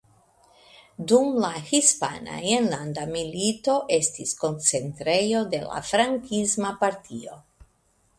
Dum la Hispana Enlanda Milito estis koncentrejo de la frankisma partio.